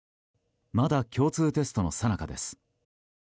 まだ共通テストのさなかです。